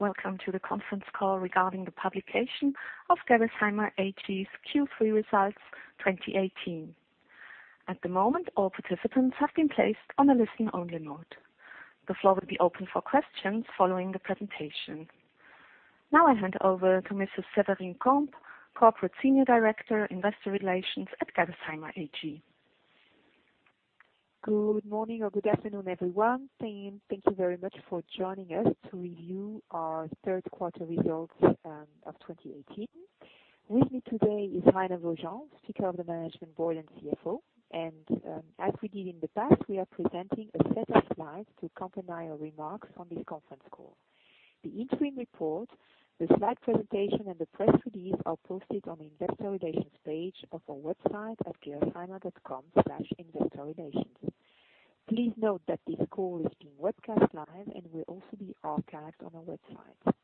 Welcome to the conference call regarding the publication of Gerresheimer AG's Q3 results 2018. At the moment, all participants have been placed on a listen-only mode. The floor will be open for questions following the presentation. Now I hand over to Mrs. Severine Camp, Corporate Senior Director, Investor Relations at Gerresheimer AG. Good morning or good afternoon, everyone. Thank you very much for joining us to review our third quarter results of 2018. With me today is Rainer Beaujean, Speaker of the Management Board and CFO. As we did in the past, we are presenting a set of slides to accompany our remarks on this conference call. The interim report, the slide presentation, and the press release are posted on the investor relations page of our website at gerresheimer.com/investorrelations. Please note that this call is being webcast live and will also be archived on our website.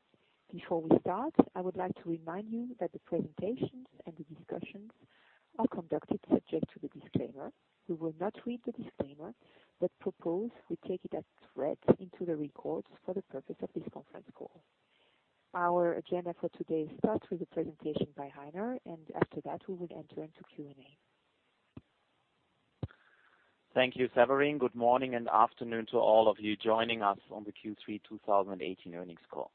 Before we start, I would like to remind you that the presentations and the discussions are conducted subject to the disclaimer. We will not read the disclaimer, but propose we take it as read into the records for the purpose of this conference call. Our agenda for today starts with a presentation by Rainer, and after that, we will enter into Q&A. Thank you, Severine. Good morning and afternoon to all of you joining us on the Q3 2018 earnings call.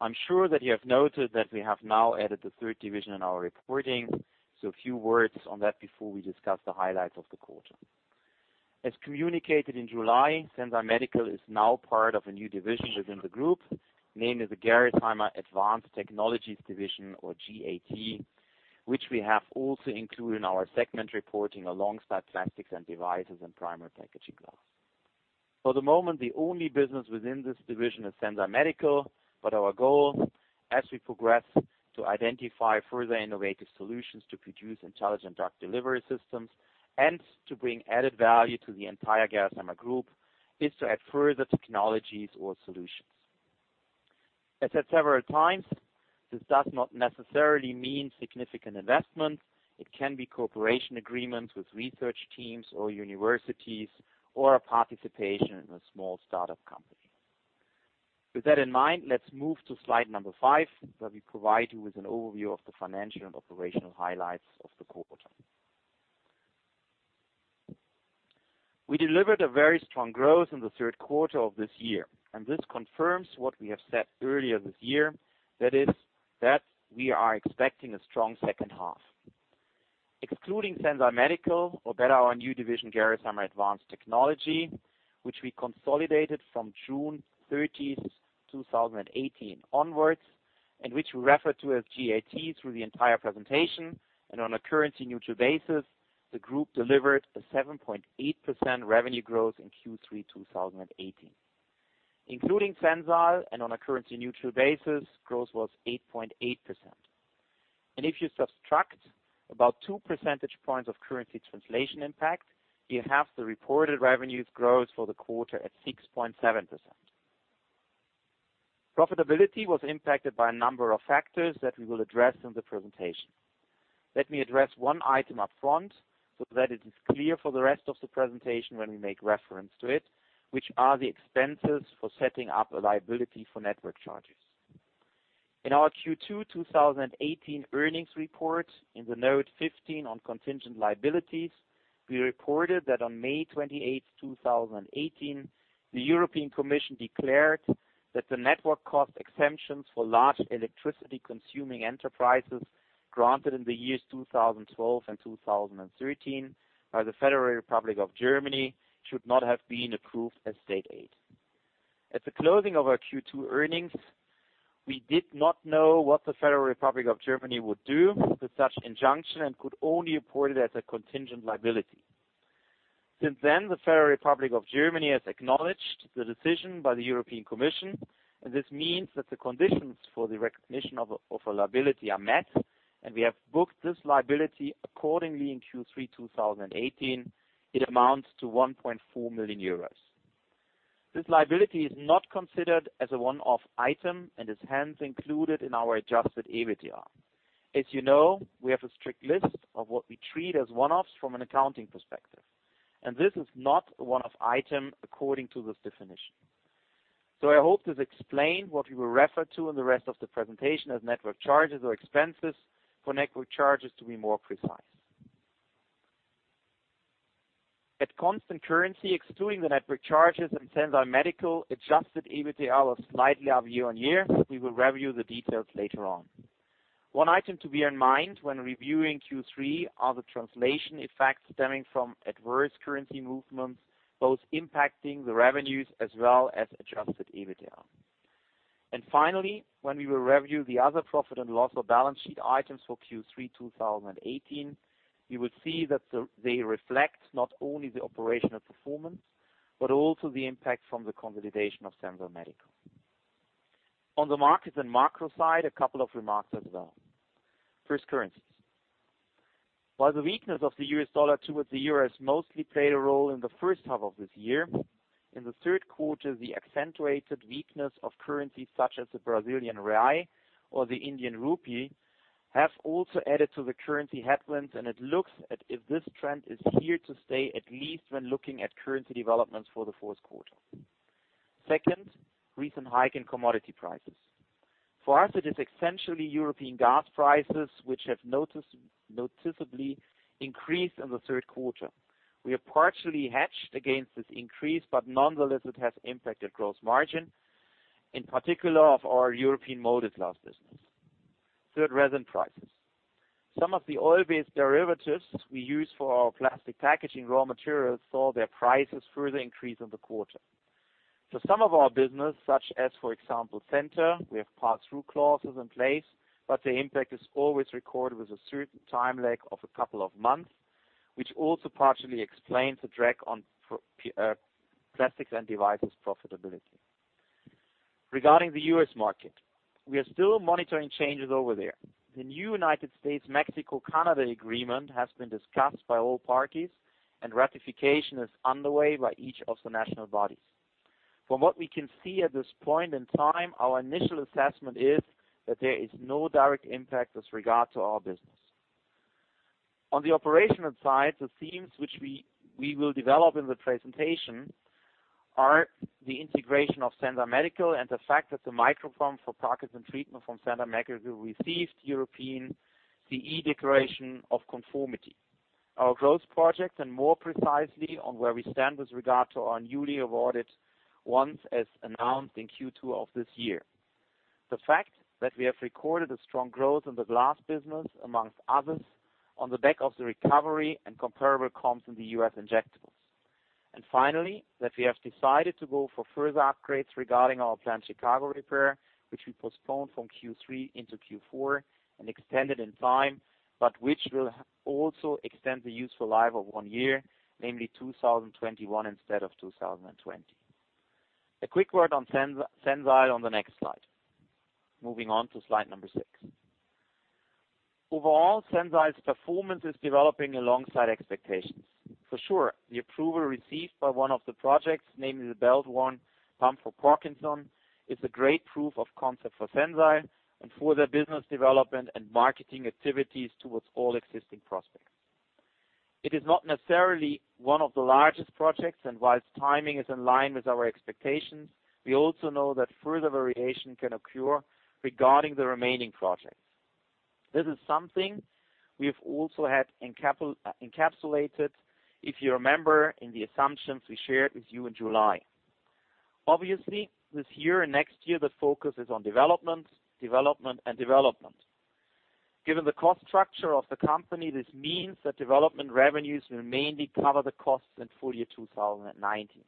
I'm sure that you have noted that we have now added the third division in our reporting, so a few words on that before we discuss the highlights of the quarter. As communicated in July, Sensile Medical is now part of a new division within the group, namely the Gerresheimer Advanced Technologies division or GAT, which we have also included in our segment reporting alongside Plastics and Devices and Primary Packaging Glass. For the moment, the only business within this division is Sensile Medical, but our goal, as we progress to identify further innovative solutions to produce intelligent drug delivery systems and to bring added value to the entire Gerresheimer Group, is to add further technologies or solutions. As said several times, this does not necessarily mean significant investment. It can be cooperation agreements with research teams or universities or a participation in a small start-up company. With that in mind, let's move to slide number five, where we provide you with an overview of the financial and operational highlights of the quarter. We delivered a very strong growth in the third quarter of this year, and this confirms what we have said earlier this year, that is, that we are expecting a strong second half. Excluding Sensile Medical, or better, our new division, Gerresheimer Advanced Technologies, which we consolidated from June 30th, 2018 onwards, and which we refer to as GAT through the entire presentation and on a currency-neutral basis, the group delivered a 7.8% revenue growth in Q3 2018. Including Sensile and on a currency-neutral basis, growth was 8.8%. If you subtract about two percentage points of currency translation impact, you have the reported revenues growth for the quarter at 6.7%. Profitability was impacted by a number of factors that we will address in the presentation. Let me address one item up front so that it is clear for the rest of the presentation when we make reference to it, which are the expenses for setting up a liability for network charges. In our Q2 2018 earnings report, in the Note 15 on contingent liabilities, we reported that on May 28th, 2018, the European Commission declared that the network cost exemptions for large electricity-consuming enterprises granted in the years 2012 and 2013 by the Federal Republic of Germany should not have been approved as state aid. At the closing of our Q2 earnings, we did not know what the Federal Republic of Germany would do with such injunction and could only report it as a contingent liability. Since then, the Federal Republic of Germany has acknowledged the decision by the European Commission, and this means that the conditions for the recognition of a liability are met, and we have booked this liability accordingly in Q3 2018. It amounts to 1.4 million euros. This liability is not considered as a one-off item and is hence included in our adjusted EBITDA. As you know, we have a strict list of what we treat as one-offs from an accounting perspective, and this is not a one-off item according to this definition. I hope this explained what we will refer to in the rest of the presentation as network charges or expenses for network charges to be more precise. At constant currency, excluding the network charges and Sensile Medical, adjusted EBITDA was slightly up year-over-year. We will review the details later on. One item to bear in mind when reviewing Q3 are the translation effects stemming from adverse currency movements, both impacting the revenues as well as adjusted EBITDA. Finally, when we will review the other profit and loss or balance sheet items for Q3 2018, you will see that they reflect not only the operational performance, but also the impact from the consolidation of Sensile Medical. On the market and macro side, a couple of remarks as well. First, currencies. While the weakness of the U.S. dollar towards the Euro has mostly played a role in the first half of this year, in the third quarter, the accentuated weakness of currencies such as the Brazilian real or the Indian rupee have also added to the currency headwinds, and it looks as if this trend is here to stay, at least when looking at currency developments for the fourth quarter. Second, recent hike in commodity prices. For us, it is essentially European gas prices which have noticeably increased in the third quarter. We are partially hedged against this increase, but nonetheless, it has impacted gross margin, in particular of our European Molded Glass business. Third, resin prices. Some of the oil-based derivatives we use for our plastic packaging raw materials saw their prices further increase in the quarter. For some of our business, such as, for example, Sensile Medical, we have pass-through clauses in place, but the impact is always recorded with a certain time lag of a couple of months, which also partially explains the drag on Plastics & Devices profitability. Regarding the U.S. market, we are still monitoring changes over there. The new United States–Mexico–Canada Agreement has been discussed by all parties, and ratification is underway by each of the national bodies. From what we can see at this point in time, our initial assessment is that there is no direct impact with regard to our business. On the operational side, the themes which we will develop in the presentation are the integration of Sensile Medical and the fact that the micro pump for Parkinson's treatment from Sensile Medical received CE Declaration of Conformity. Our growth projects, and more precisely, on where we stand with regard to our newly awarded ones as announced in Q2 of this year. The fact that we have recorded a strong growth in the glass business, amongst others, on the back of the recovery and comparable comps in the U.S. injectables. Finally, that we have decided to go for further upgrades regarding our planned Chicago repair, which we postponed from Q3 into Q4 and extended in time, but which will also extend the useful life of one year, namely 2021 instead of 2020. A quick word on Sensile Medical on the next slide. Moving on to slide number six. Overall, Sensile Medical's performance is developing alongside expectations. For sure, the approval received by one of the projects, namely the belt-on-pump for Parkinson's, is a great proof of concept for Sensile Medical and for their business development and marketing activities towards all existing prospects. It is not necessarily one of the largest projects, and whilst timing is in line with our expectations, we also know that further variation can occur regarding the remaining projects. This is something we've also had encapsulated, if you remember, in the assumptions we shared with you in July. Obviously, this year and next year, the focus is on development, and development. Given the cost structure of the company, this means that development revenues will mainly cover the costs in full year 2019.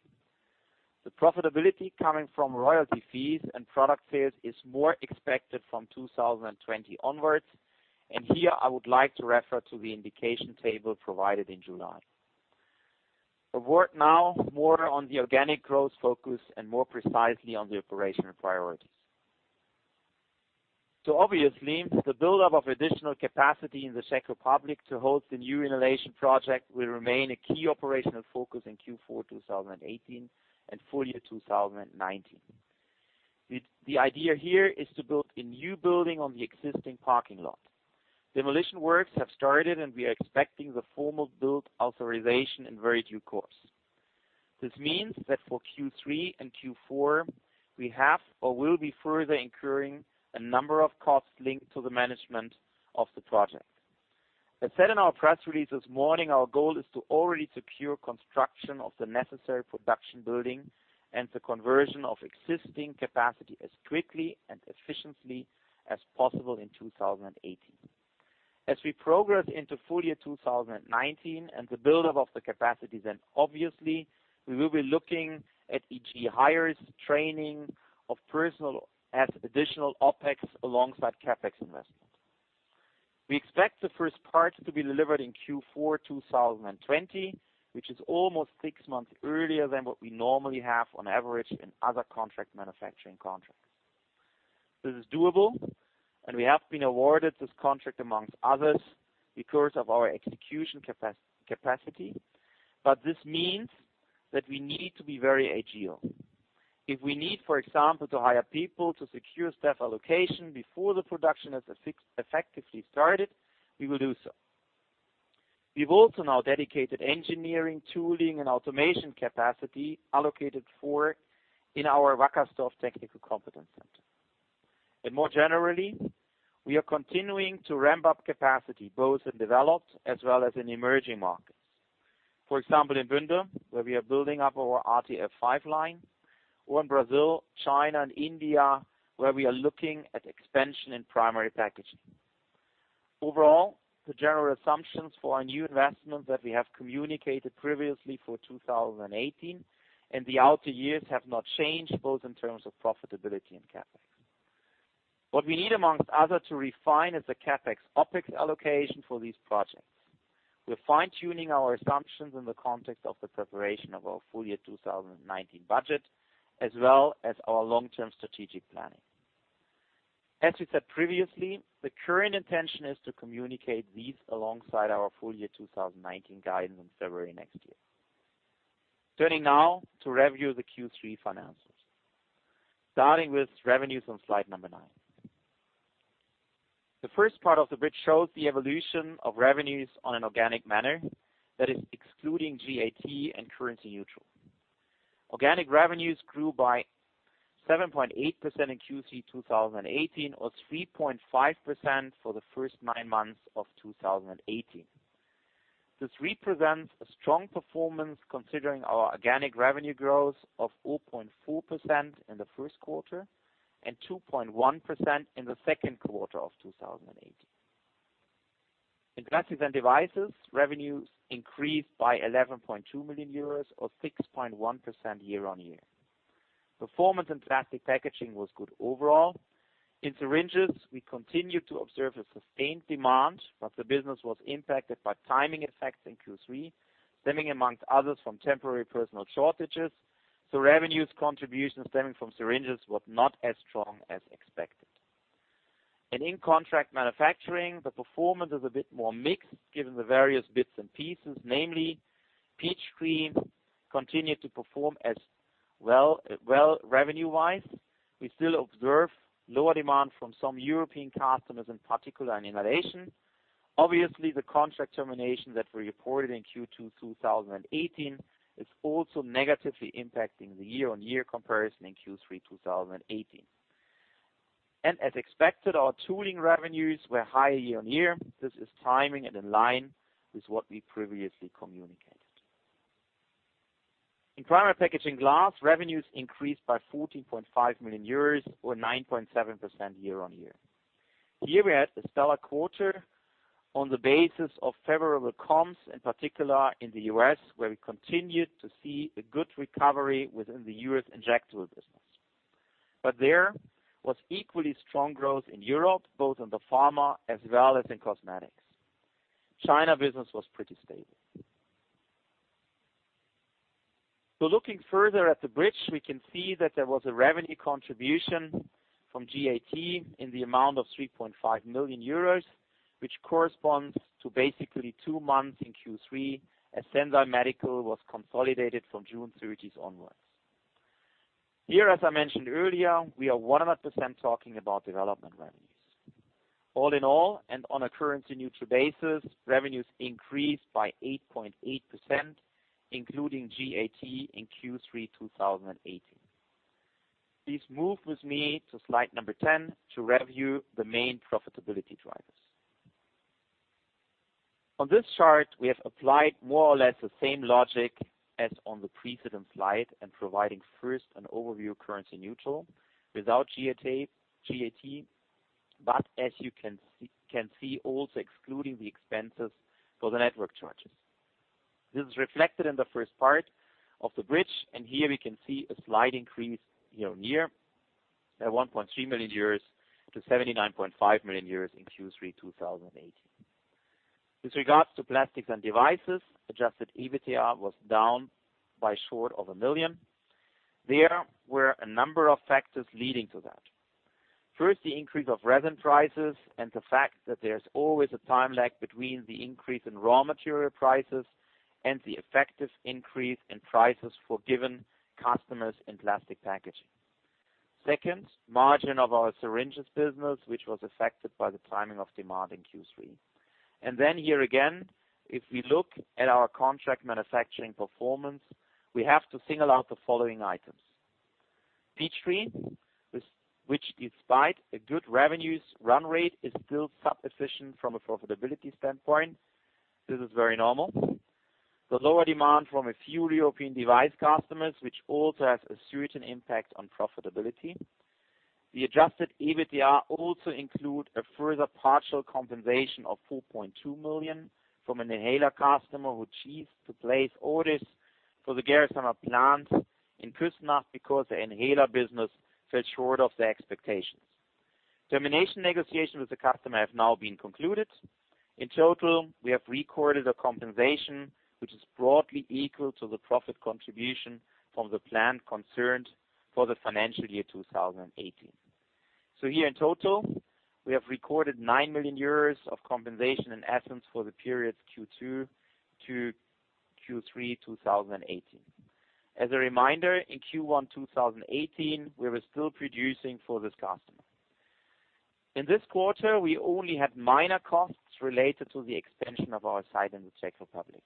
The profitability coming from royalty fees and product sales is more expected from 2020 onwards, and here I would like to refer to the indication table provided in July. A word now more on the organic growth focus and more precisely on the operational priorities. Obviously, the buildup of additional capacity in the Czech Republic to hold the new inhalation project will remain a key operational focus in Q4 2018 and full year 2019. The idea here is to build a new building on the existing parking lot. Demolition works have started. We are expecting the formal build authorization in very due course. This means that for Q3 and Q4, we have or will be further incurring a number of costs linked to the management of the project. As said in our press release this morning, our goal is to already secure construction of the necessary production building and the conversion of existing capacity as quickly and efficiently as possible in 2018. As we progress into full year 2019 and the buildup of the capacity, obviously we will be looking at EG hires, training of personnel as additional OpEx alongside CapEx investments. We expect the first parts to be delivered in Q4 2020, which is almost six months earlier than what we normally have on average in other contract manufacturing contracts. This is doable. We have been awarded this contract amongst others because of our execution capacity. This means that we need to be very agile. If we need, for example, to hire people to secure staff allocation before the production has effectively started, we will do so. We've also now dedicated engineering, tooling, and automation capacity allocated for in our Wackersdorf Technical Competence Center. More generally, we are continuing to ramp up capacity both in developed as well as in emerging markets. For example, in Bünde, where we are building up our RTF5 line, or in Brazil, China, and India, where we are looking at expansion in primary packaging. Overall, the general assumptions for our new investment that we have communicated previously for 2018 and the outer years have not changed, both in terms of profitability and CapEx. What we need, amongst others, to refine is the CapEx OpEx allocation for these projects. We're fine-tuning our assumptions in the context of the preparation of our full year 2019 budget, as well as our long-term strategic planning. As we said previously, the current intention is to communicate these alongside our full year 2019 guidance in February next year. Turning now to review the Q3 financials. Starting with revenues on slide number nine. The first part of the bridge shows the evolution of revenues on an organic manner, that is excluding GAT and currency neutral. Organic revenues grew by 7.8% in Q3 2018, or 3.5% for the first nine months of 2018. This represents a strong performance considering our organic revenue growth of 0.4% in the first quarter and 2.1% in the second quarter of 2018. In Plastics and Devices, revenues increased by 11.2 million euros or 6.1% year-on-year. Performance in Plastic Packaging was good overall. In syringes, we continued to observe a sustained demand, but the business was impacted by timing effects in Q3, stemming amongst others from temporary personnel shortages. Revenues contribution stemming from syringes was not as strong as expected. In contract manufacturing, the performance is a bit more mixed given the various bits and pieces, namely Peachtree continued to perform well revenue-wise. We still observe lower demand from some European customers, in particular in inhalation. The contract termination that we reported in Q2 2018 is also negatively impacting the year-on-year comparison in Q3 2018. As expected, our tooling revenues were higher year-on-year. This is timing and in line with what we previously communicated. In Primary Packaging Glass, revenues increased by 14.5 million euros or 9.7% year-on-year. Here we had a stellar quarter on the basis of favorable comps, in particular in the U.S., where we continued to see a good recovery within the U.S. injectable business. There was equally strong growth in Europe, both on the pharma as well as in cosmetics. China business was pretty stable. Looking further at the bridge, we can see that there was a revenue contribution from GAT in the amount of 3.5 million euros, which corresponds to basically two months in Q3, as Sensile Medical was consolidated from June 30th onwards. Here, as I mentioned earlier, we are 100% talking about development revenues. All in all, on a currency-neutral basis, revenues increased by 8.8%, including GAT in Q3 2018. Please move with me to slide number 10 to review the main profitability drivers. On this chart, we have applied more or less the same logic as on the precedent slide, providing first an overview currency neutral without GAT, as you can see, also excluding the expenses for the network charges. This is reflected in the first part of the bridge. Here we can see a slight increase year-on-year at 1.3 million to 79.5 million in Q3 2018. With regards to Plastics and Devices, adjusted EBITDA was down by short of a million. There were a number of factors leading to that. First, the increase of resin prices and the fact that there's always a time lag between the increase in raw material prices and the effective increase in prices for given customers in plastic packaging. Second, margin of our syringes business, which was affected by the timing of demand in Q3. Then here again, if we look at our contract manufacturing performance, we have to single out the following items. Peachtree, which despite a good revenues run rate, is still sub-efficient from a profitability standpoint. This is very normal. The lower demand from a few European device customers, which also has a certain impact on profitability. The adjusted EBITDA also include a further partial compensation of 4.2 million from an inhaler customer who ceased to place orders for the Gerresheimer plants in Küssnacht because the inhaler business fell short of the expectations. Termination negotiation with the customer have now been concluded. In total, we have recorded a compensation, which is broadly equal to the profit contribution from the plant concerned for the financial year 2018. Here in total, we have recorded 9 million euros of compensation in essence for the periods Q2 to Q3 2018. As a reminder, in Q1 2018, we were still producing for this customer. In this quarter, we only had minor costs related to the expansion of our site in the Czech Republic.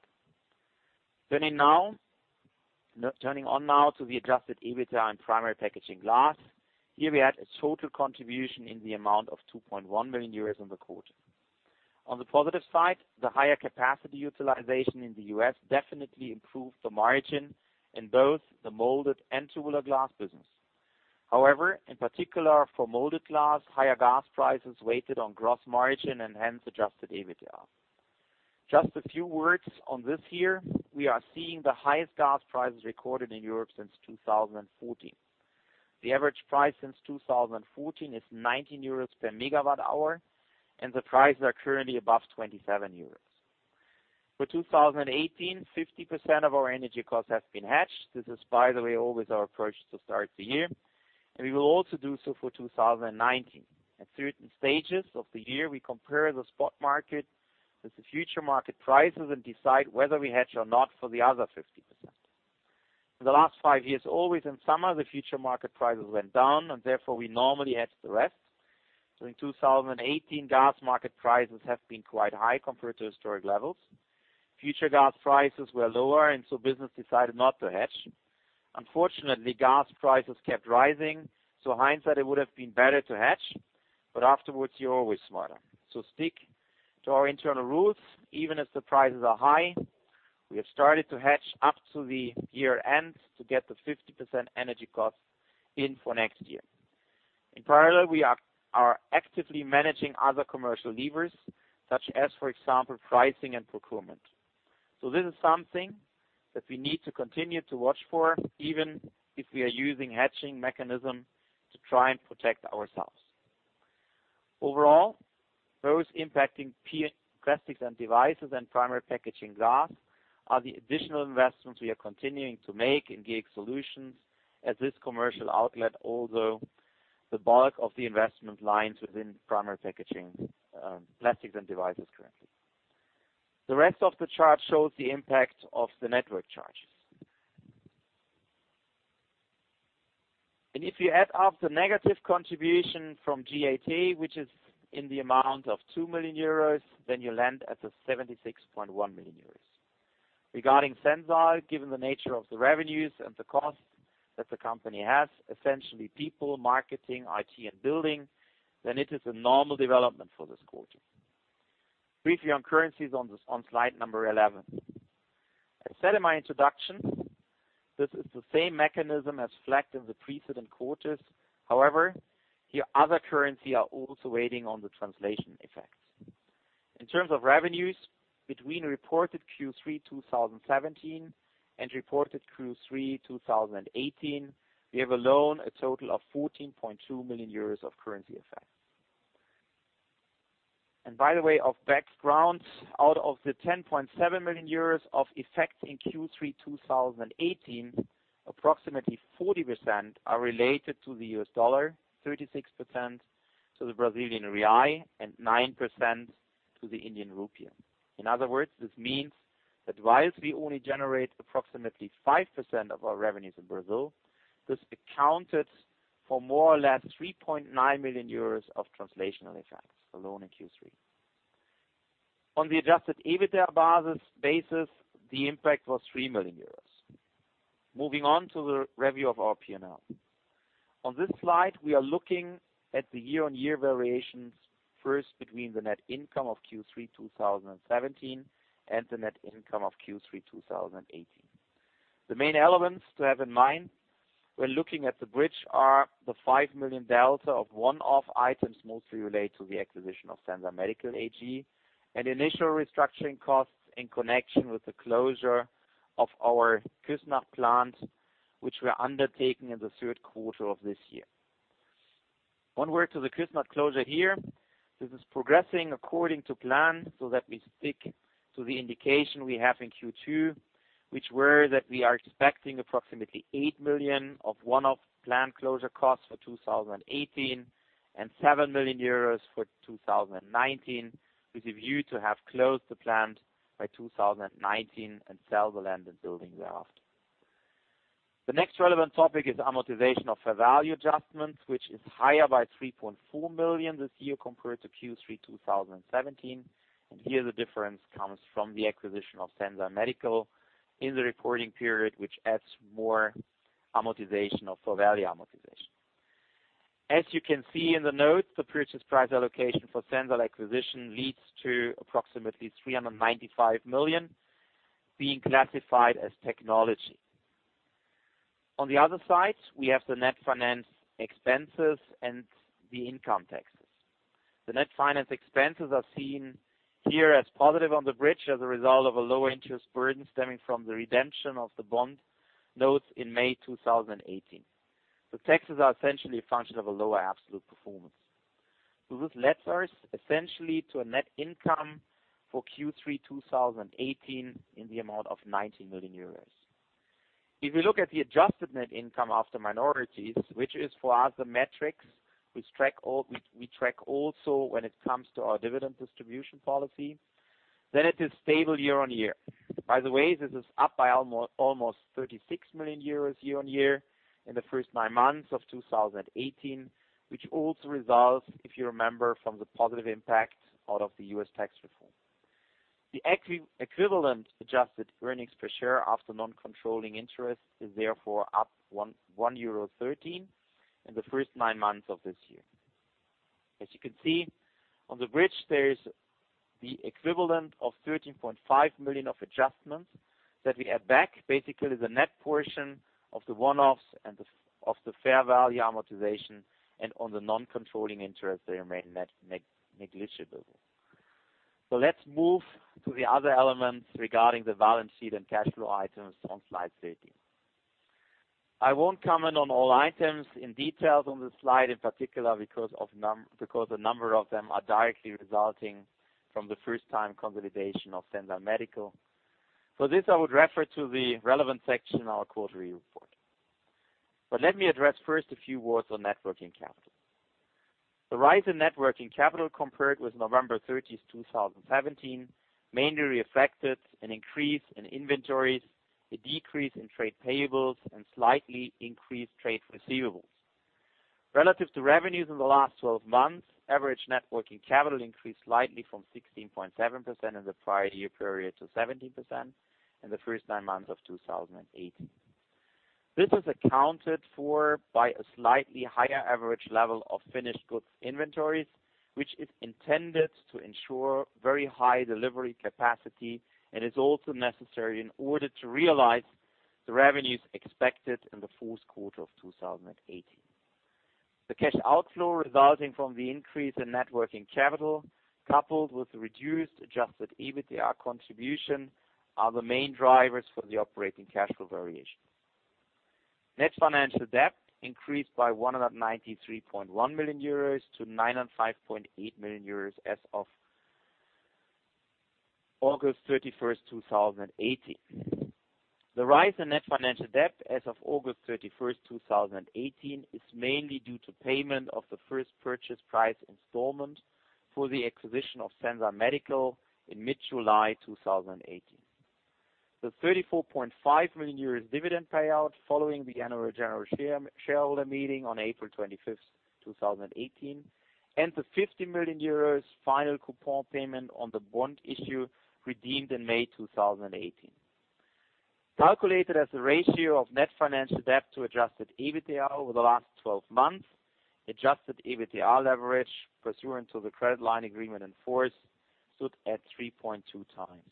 Turning now to the adjusted EBITDA and Primary Packaging Glass. Here we had a total contribution in the amount of 2.1 million euros in the quarter. On the positive side, the higher capacity utilization in the U.S. definitely improved the margin in both the molded and tubular glass business. However, in particular for Molded Glass, higher gas prices weighted on gross margin and hence adjusted EBITDA. Just a few words on this year. We are seeing the highest gas prices recorded in Europe since 2014. The average price since 2014 is 19 euros per megawatt hour, and the prices are currently above 27 euros. For 2018, 50% of our energy costs have been hedged. This is, by the way, always our approach to start the year. We will also do so for 2019. At certain stages of the year, we compare the spot market with the future market prices and decide whether we hedge or not for the other 50%. For the last five years, always in summer, the future market prices went down, therefore we normally hedge the rest. In 2018, gas market prices have been quite high compared to historic levels. Future gas prices were lower, business decided not to hedge. Unfortunately, gas prices kept rising, hindsight, it would have been better to hedge, but afterwards you're always smarter. Stick to our internal rules, even as the prices are high. We have started to hedge up to the year-end to get the 50% energy cost in for next year. In parallel, we are actively managing other commercial levers such as, for example, pricing and procurement. This is something that we need to continue to watch for, even if we are using hedging mechanism to try and protect ourselves. Overall, those impacting Plastics & Devices and Primary Packaging Glass are the additional investments we are continuing to make in Gx Solutions as this commercial outlet, although the bulk of the investment lines within Primary Packaging Glass, Plastics & Devices currently. The rest of the chart shows the impact of the network charges. If you add up the negative contribution from GAT, which is in the amount of 2 million euros, then you land at the 76.1 million euros. Regarding Sensile Medical, given the nature of the revenues and the costs that the company has, essentially people, marketing, IT, and building, then it is a normal development for this quarter. Briefly on currencies on slide number 11. I said in my introduction, this is the same mechanism as flagged in the precedent quarters. Here other currency are also weighing on the translation effects. In terms of revenues between reported Q3 2017 and reported Q3 2018, we have alone a total of 14.2 million euros of currency effects. By the way of background, out of the 10.7 million euros of effects in Q3 2018, approximately 40% are related to the U.S. dollar, 36% to the Brazilian real, and 9% to the Indian rupee. In other words, this means that whilst we only generate approximately 5% of our revenues in Brazil, this accounted for more or less 3.9 million euros of translational effects alone in Q3. On the adjusted EBITDA basis, the impact was 3 million euros. Moving on to the review of our P&L. On this slide, we are looking at the year-over-year variations first between the net income of Q3 2017 and the net income of Q3 2018. The main elements to have in mind when looking at the bridge are the 5 million delta of one-off items mostly related to the acquisition of Sensile Medical AG and initial restructuring costs in connection with the closure of our Küssnacht plant, which we are undertaking in the third quarter of this year. One word to the Küssnacht closure here. This is progressing according to plan so that we stick to the indication we have in Q2, which were that we are expecting approximately 8 million of one-off plant closure costs for 2018 and 7 million euros for 2019, with a view to have closed the plant by 2019 and sell the land and buildings thereafter. The next relevant topic is amortization of fair value adjustments, which is higher by 3.4 million this year compared to Q3 2017. Here the difference comes from the acquisition of Sensile Medical in the reporting period, which adds more amortization of fair value amortization. As you can see in the notes, the purchase price allocation for Sensile acquisition leads to approximately 395 million being classified as technology. On the other side, we have the net finance expenses and the income taxes. The net finance expenses are seen here as positive on the bridge as a result of a lower interest burden stemming from the redemption of the bond notes in May 2018. The taxes are essentially a function of a lower absolute performance. This led us essentially to a net income for Q3 2018 in the amount of 90 million euros. If you look at the adjusted net income after minorities, which is for us the metrics we track also when it comes to our dividend distribution policy, then it is stable year-on-year. By the way, this is up by almost 36 million euros year-on-year in the first nine months of 2018, which also results, if you remember, from the positive impact out of the U.S. tax reform. The equivalent adjusted earnings per share after non-controlling interest is therefore up 1.13 euro in the first nine months of this year. As you can see on the bridge, there is the equivalent of 13.5 million of adjustments that we add back, basically the net portion of the one-offs and of the fair value amortization, and on the non-controlling interest, they remain negligible. Let's move to the other elements regarding the balance sheet and cash flow items on slide 13. I won't comment on all items in detail on this slide, in particular because a number of them are directly resulting from the first-time consolidation of Sensile Medical. For this, I would refer to the relevant section in our quarterly report. Let me address first a few words on net working capital. The rise in net working capital compared with November 30th, 2017, mainly reflected an increase in inventories, a decrease in trade payables, and slightly increased trade receivables. Relative to revenues in the last 12 months, average net working capital increased slightly from 16.7% in the prior year period to 17% in the first nine months of 2018. This is accounted for by a slightly higher average level of finished goods inventories, which is intended to ensure very high delivery capacity and is also necessary in order to realize the revenues expected in the fourth quarter of 2018. The cash outflow resulting from the increase in net working capital, coupled with the reduced adjusted EBITDA contribution, are the main drivers for the operating cash flow variation. Net financial debt increased by 193.1 million euros to 905.8 million euros as of August 31st, 2018. The rise in net financial debt as of August 31st, 2018, is mainly due to payment of the first purchase price installment for the acquisition of Sensile Medical in mid-July 2018. The 34.5 million euros dividend payout following the annual general shareholder meeting on April 25th, 2018, and the 50 million euros final coupon payment on the bond issue redeemed in May 2018. Calculated as a ratio of net financial debt to adjusted EBITDA over the last 12 months, adjusted EBITDA leverage pursuant to the credit line agreement in force stood at 3.2 times.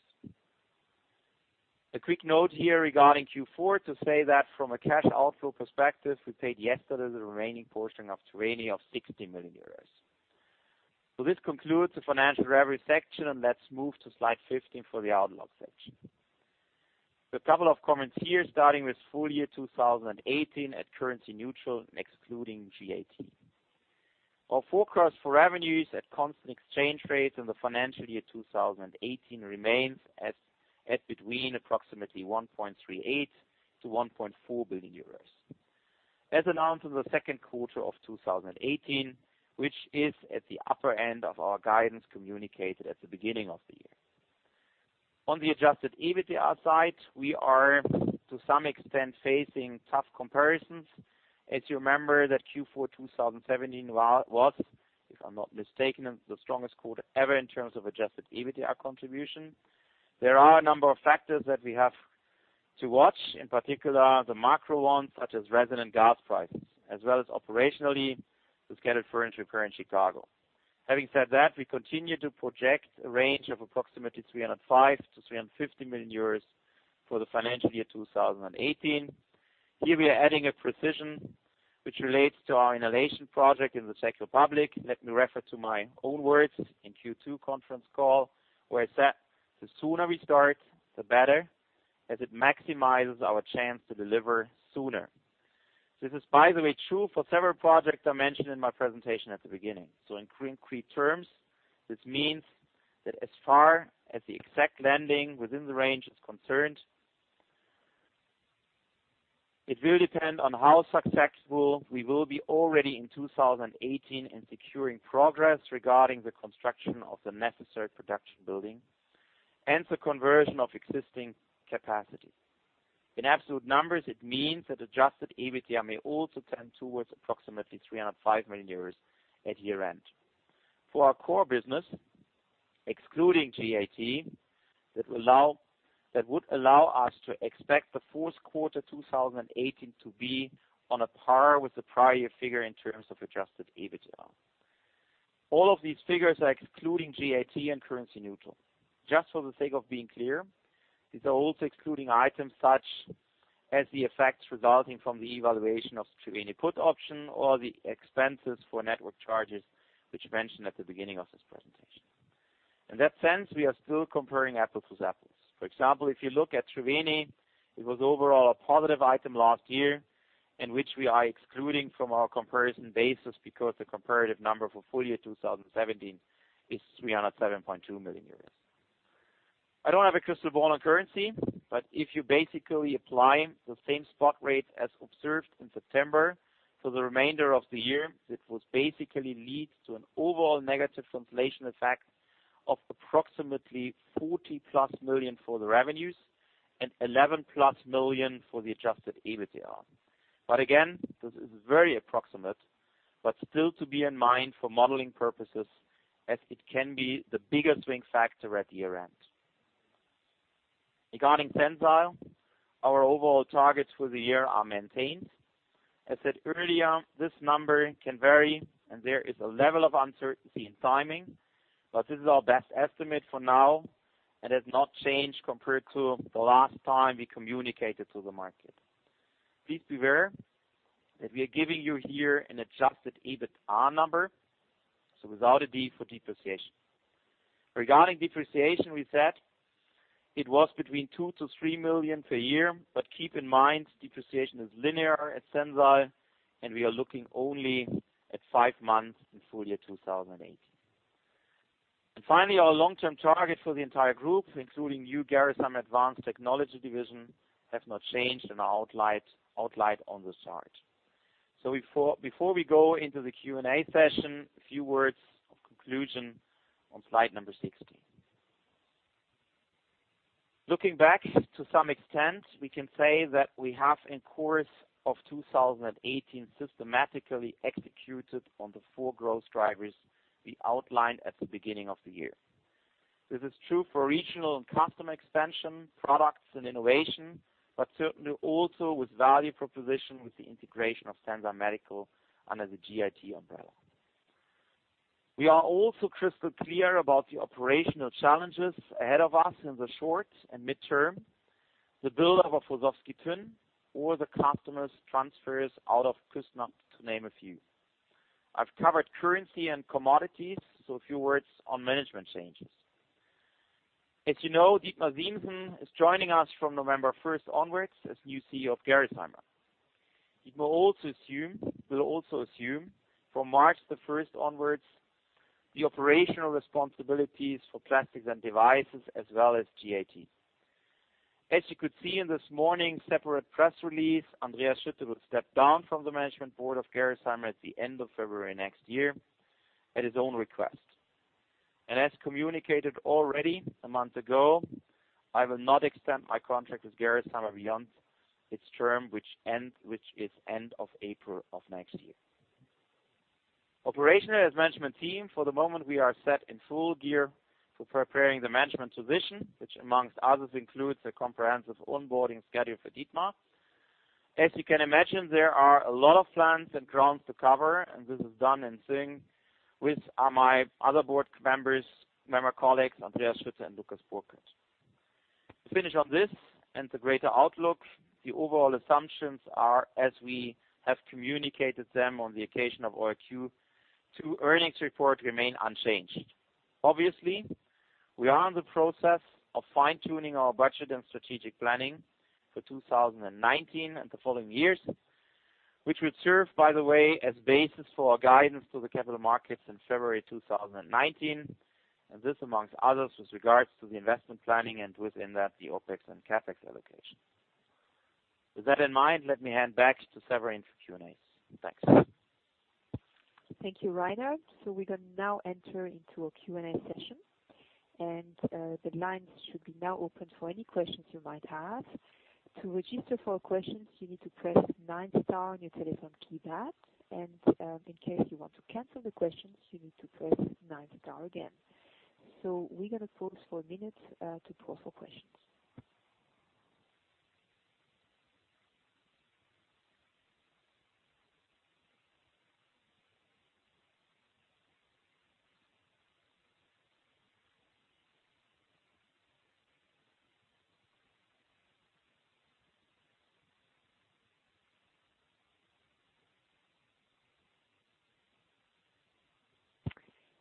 A quick note here regarding Q4 to say that from a cash outflow perspective, we paid yesterday the remaining portion of Triveni of 60 million euros. This concludes the financial review section, and let's move to slide 15 for the outlook section. A couple of comments here, starting with full year 2018 at currency neutral, excluding GAT. Our forecast for revenues at constant exchange rates in the financial year 2018 remains at between approximately 1.38 billion to 1.4 billion euros. As announced in the second quarter of 2018, which is at the upper end of our guidance communicated at the beginning of the year. On the adjusted EBITDA side, we are, to some extent, facing tough comparisons. As you remember that Q4 2017 was, if I'm not mistaken, the strongest quarter ever in terms of adjusted EBITDA contribution. There are a number of factors that we have to watch, in particular the macro ones such as resin and gas prices, as well as operationally, the scheduled furnace repair in Chicago. Having said that, we continue to project a range of approximately 305 million-315 million euros for the financial year 2018. Here we are adding a precision which relates to our inhalation project in the Czech Republic. Let me refer to my own words in Q2 conference call, where I said, "The sooner we start, the better, as it maximizes our chance to deliver sooner." This is, by the way, true for several projects I mentioned in my presentation at the beginning. In clear terms, this means that as far as the exact landing within the range is concerned, it will depend on how successful we will be already in 2018 in securing progress regarding the construction of the necessary production building and the conversion of existing capacity. In absolute numbers, it means that adjusted EBITDA may also tend towards approximately 305 million euros at year-end. For our core business, excluding GAT, that would allow us to expect the fourth quarter 2018 to be on a par with the prior year figure in terms of adjusted EBITDA. All of these figures are excluding GAT and currency neutral. Just for the sake of being clear, these are also excluding items such as the effects resulting from the evaluation of Triveni put option or the expenses for network charges, which I mentioned at the beginning of this presentation. In that sense, we are still comparing apples with apples. For example, if you look at Triveni, it was overall a positive item last year, which we are excluding from our comparison basis because the comparative number for full year 2017 is 307.2 million euros. I don't have a crystal ball on currency, but if you basically apply the same spot rate as observed in September for the remainder of the year, it would basically lead to an overall negative translation effect of approximately 40+ million for the revenues and 11+ million for the adjusted EBITDA. Again, this is very approximate, but still to be in mind for modeling purposes as it can be the biggest swing factor at year-end. Regarding Sensile, our overall targets for the year are maintained. As said earlier, this number can vary and there is a level of uncertainty in timing, but this is our best estimate for now and has not changed compared to the last time we communicated to the market. Please be aware that we are giving you here an adjusted EBITDA number, so without a D for depreciation. Regarding depreciation, we said it was between 2 million to 3 million per year, but keep in mind, depreciation is linear at Sensile, and we are looking only at 5 months in full year 2018. Finally, our long-term target for the entire group, including new Gerresheimer Advanced Technologies division, have not changed and are outlined on the chart. Before we go into the Q&A session, a few words of conclusion on slide number 16. Looking back to some extent, we can say that we have, in course of 2018, systematically executed on the 4 growth drivers we outlined at the beginning of the year. This is true for regional and customer expansion, products and innovation, but certainly also with value proposition with the integration of Sensile Medical under the GAT umbrella. We are also crystal clear about the operational challenges ahead of us in the short and midterm. The build-up of Horšovský Týn or the customers transfers out of Küssnacht, to name a few. I've covered currency and commodities, a few words on management changes. You know, Dietmar Siemssen is joining us from November 1st onwards as new CEO of Gerresheimer. Dietmar will also assume from March 1st onwards the operational responsibilities for Plastics & Devices as well as GAT. As you could see in this morning's separate press release, Andreas Schütte will step down from the management board of Gerresheimer at the end of February next year at his own request. As communicated already a month ago, I will not extend my contract with Gerresheimer beyond its term, which is end of April of next year. Operationally as management team, for the moment we are set in full gear for preparing the management transition, which amongst others includes a comprehensive onboarding schedule for Dietmar. You can imagine, there are a lot of plans and grounds to cover, and this is done in sync with my other board members, member colleagues, Andreas Schütte and Lukas Burkhardt. To finish on this and the greater outlook, the overall assumptions are, as we have communicated them on the occasion of our Q2 earnings report, remain unchanged. Obviously, we are in the process of fine-tuning our budget and strategic planning for 2019 and the following years, which would serve, by the way, as basis for our guidance to the capital markets in February 2019, and this, amongst others, with regards to the investment planning and within that, the OpEx and CapEx allocation. With that in mind, let me hand back to Severine for Q&A. Thanks. Thank you, Rainer. We are going to now enter into a Q&A session, the lines should be now open for any questions you might have. To register for questions, you need to press nine star on your telephone keypad. In case you want to cancel the questions, you need to press nine star again. We're going to pause for a minute to pause for questions.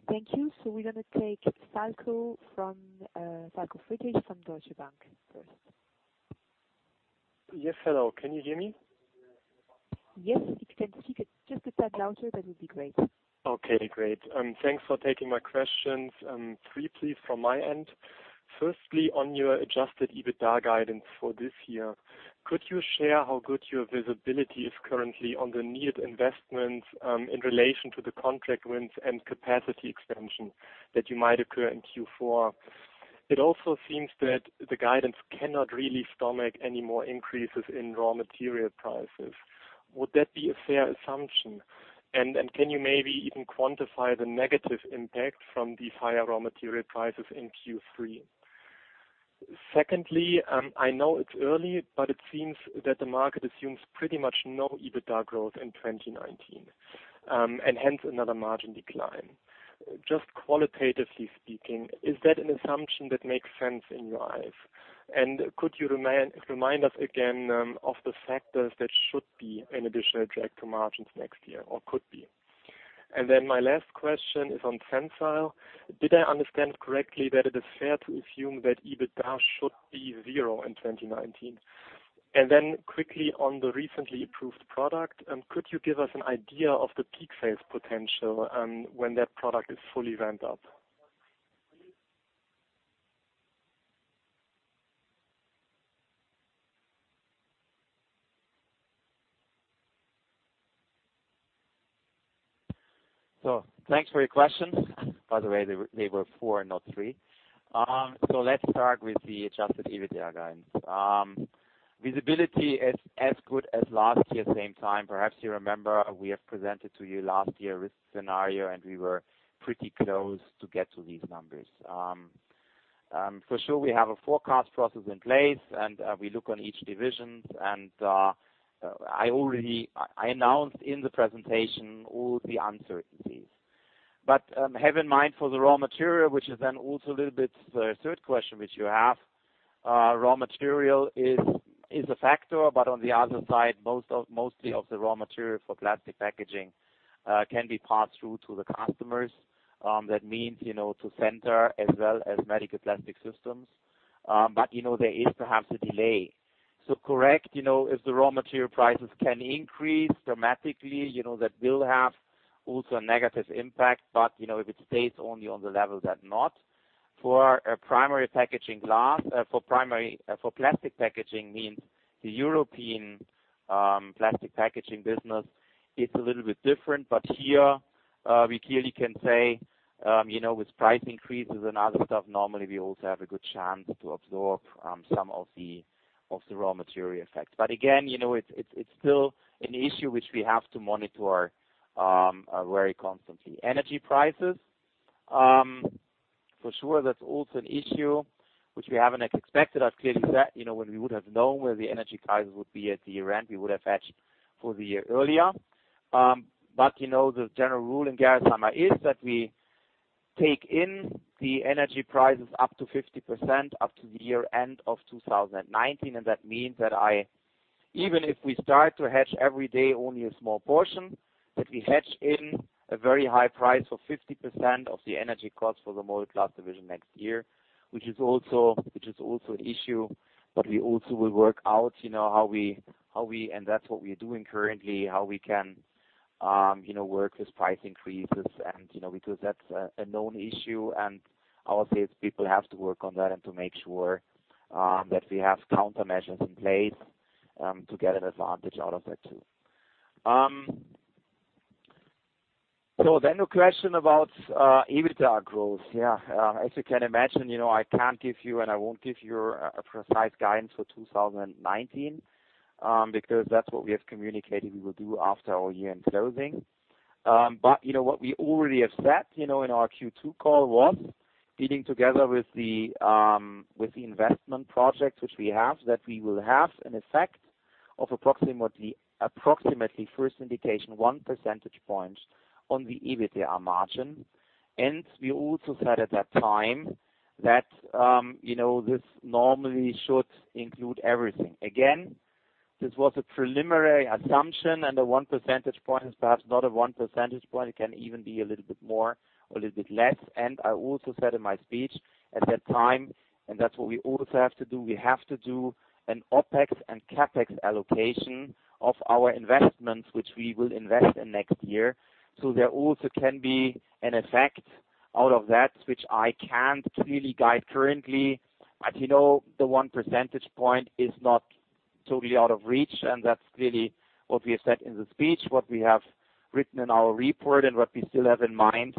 Thank you. We're going to take Falco Fritsch from Deutsche Bank first. Yes. Hello, can you hear me? Yes, if you could just get that louder, that would be great. Okay, great. Thanks for taking my questions. Three, please, from my end. Firstly, on your adjusted EBITDA guidance for this year, could you share how good your visibility is currently on the needed investments in relation to the contract wins and capacity expansion that you might incur in Q4? It also seems that the guidance cannot really stomach any more increases in raw material prices. Would that be a fair assumption? Can you maybe even quantify the negative impact from the higher raw material prices in Q3? Secondly, I know it's early, but it seems that the market assumes pretty much no EBITDA growth in 2019, and hence another margin decline. Just qualitatively speaking, is that an assumption that makes sense in your eyes? Could you remind us again of the factors that should be an additional drag to margins next year, or could be. My last question is on Sensile. Did I understand correctly that it is fair to assume that EBITDA should be zero in 2019? Quickly on the recently approved product, could you give us an idea of the peak sales potential when that product is fully ramped up? Thanks for your questions. By the way, they were four, not three. Let's start with the adjusted EBITDA guidance. Visibility is as good as last year same time. Perhaps you remember we have presented to you last year risk scenario, and we were pretty close to get to these numbers. For sure, we have a forecast process in place, and we look on each division, and I announced in the presentation all the uncertainties. Have in mind for the raw material, which is then also a little bit the third question which you have. Raw material is a factor, but on the other side, mostly of the raw material for plastic packaging can be passed through to the customers. That means to Sensile as well as Medical Plastic Systems. There is perhaps a delay. Correct, if the raw material prices can increase dramatically, that will have also a negative impact, but if it stays only on the level, then not. For Primary Packaging Glass, for plastic packaging means the European plastic packaging business is a little bit different, but here we clearly can say with price increases and other stuff, normally we also have a good chance to absorb some of the raw material effects. Again, it's still an issue which we have to monitor very constantly. Energy prices. For sure, that's also an issue which we haven't expected. I've clearly said, when we would have known where the energy prices would be at the year-end, we would have hedged for the year earlier. The general rule in Gerresheimer is that we take in the energy prices up to 50% up to the year-end of 2019, and that means that even if we start to hedge every day, only a small portion, that we hedge in a very high price for 50% of the energy cost for the Molded Glass division next year, which is also an issue. We also will work out, and that's what we are doing currently, how we can work with price increases and because that's a known issue, and our sales people have to work on that and to make sure that we have countermeasures in place to get an advantage out of that, too. A question about EBITDA growth. Yeah. As you can imagine, I can't give you, and I won't give you a precise guidance for 2019, because that's what we have communicated we will do after our year-end closing. What we already have said in our Q2 call was, being together with the investment projects which we have, that we will have an effect of approximately first indication, one percentage point on the EBITDA margin. We also said at that time that this normally should include everything. Again, this was a preliminary assumption, and the one percentage point is perhaps not a one percentage point. It can even be a little bit more or a little bit less. I also said in my speech at that time, and that's what we also have to do, we have to do an OpEx and CapEx allocation of our investments, which we will invest in next year. There also can be an effect out of that, which I can't clearly guide currently. The one percentage point is not totally out of reach, and that's clearly what we have said in the speech, what we have written in our report and what we still have in mind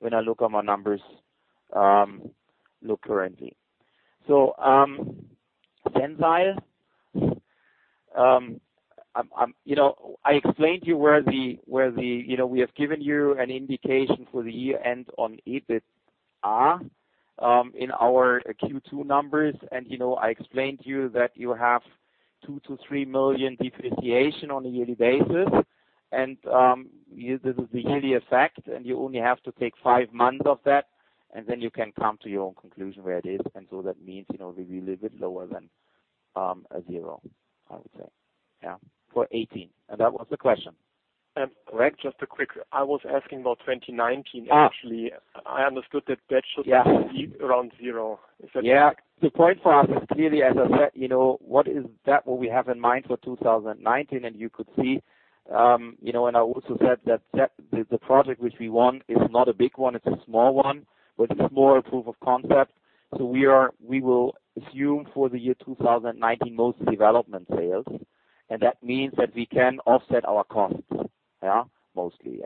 when I look at my numbers currently. Sensile. I explained to you we have given you an indication for the year-end on EBITDA in our Q2 numbers, and I explained to you that you have 2 million-3 million depreciation on a yearly basis. This is the yearly effect, and you only have to take five months of that, and then you can come to your own conclusion where it is. That means, will be a little bit lower than a zero, I would say, yeah, for 2018. That was the question. Correct. Just a quick. I was asking about 2019, actually. I understood that that should be around zero. Is that- Yeah. The point for us is clearly, as I said, what is that what we have in mind for 2019. You could see, I also said that the project which we won is not a big one, it's a small one. It's more a proof of concept. We will assume for the year 2019, mostly development sales, and that means that we can offset our costs, mostly.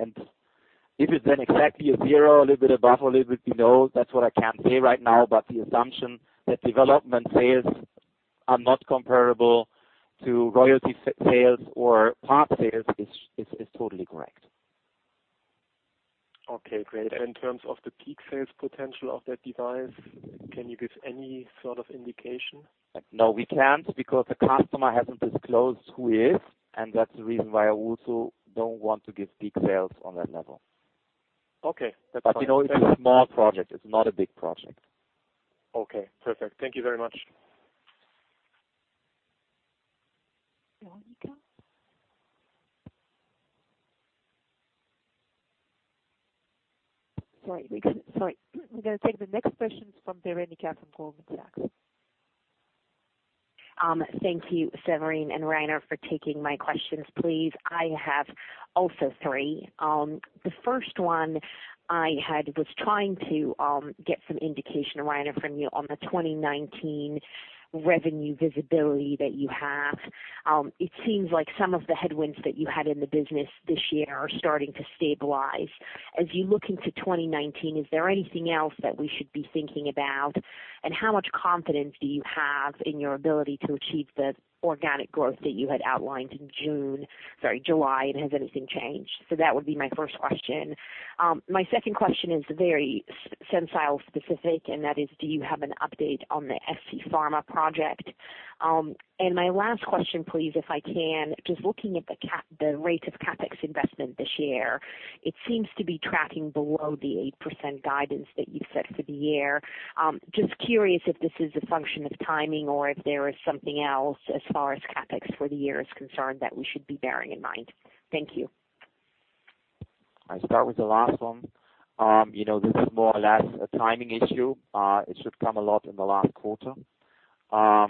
If it's then exactly a zero, a little bit above or a little bit below, that's what I can't say right now. The assumption that development sales are not comparable to royalty sales or part sales is totally correct. Okay, great. In terms of the peak sales potential of that device, can you give any sort of indication? No, we can't because the customer hasn't disclosed who he is, and that's the reason why I also don't want to give peak sales on that level. Okay. That's fine. It's a small project. It's not a big project. Okay, perfect. Thank you very much. Veronika. Sorry. We are going to take the next question from Veronika from Goldman Sachs. Thank you, Severine and Rainer, for taking my questions, please. I have also three. The first one I had was trying to get some indication, Rainer, from you on the 2019 revenue visibility that you have. It seems like some of the headwinds that you had in the business this year are starting to stabilize. As you look into 2019, is there anything else that we should be thinking about? How much confidence do you have in your ability to achieve the organic growth that you had outlined in July, and has anything changed? That would be my first question. My second question is very Sensile specific, and that is, do you have an update on the scPharma project? My last question, please, if I can, just looking at the rate of CapEx investment this year. It seems to be tracking below the 8% guidance that you set for the year. Just curious if this is a function of timing or if there is something else as far as CapEx for the year is concerned that we should be bearing in mind. Thank you. I start with the last one. This is more or less a timing issue. It should come a lot in the last quarter. Sensile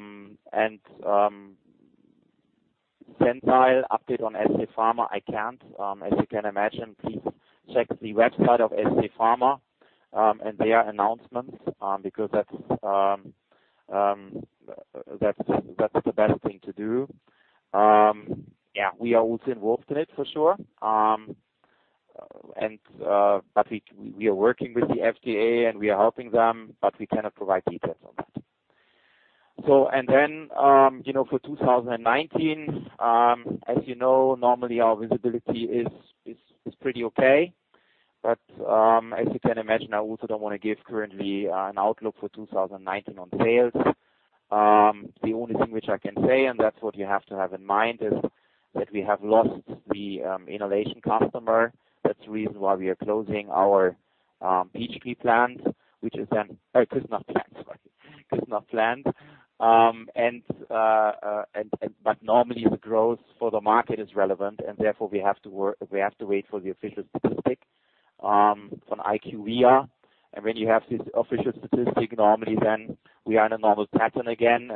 Medical update on scPharmaceuticals, I can't. As you can imagine, please check the website of scPharmaceuticals and their announcements, because that's the best thing to do. Yeah, we are also involved in it for sure. We are working with the FDA and we are helping them, but we cannot provide details on that. For 2019, as you know, normally our visibility is pretty okay. As you can imagine, I also don't want to give currently an outlook for 2019 on sales. The only thing which I can say, and that's what you have to have in mind, is that we have lost the inhalation customer. That's the reason why we are closing our Peachtree plant, Küssnacht plant, sorry. Normally the growth for the market is relevant, and therefore we have to wait for the official statistic from IQVIA. When you have this official statistic, normally then we are in a normal pattern again.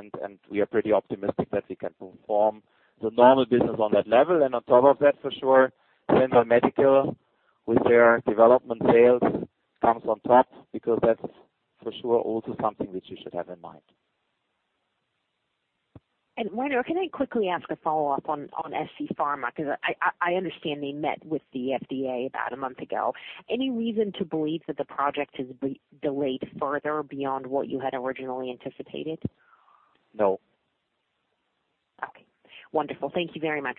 We are pretty optimistic that we can perform the normal business on that level. On top of that, for sure, Sensile Medical with their development sales comes on top because that's for sure also something which you should have in mind. Rainer, can I quickly ask a follow-up on scPharmaceuticals, because I understand they met with the FDA about one month ago. Any reason to believe that the project has delayed further beyond what you had originally anticipated? No. Okay. Wonderful. Thank you very much.